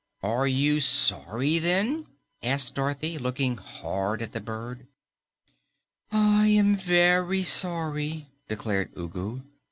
"Are you sorry, then?" asked Dorothy, looking hard at the bird. "I am VERY sorry," declared Ugu.